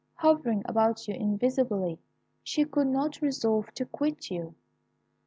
Hovering about you invisibly, she could not resolve to quit you.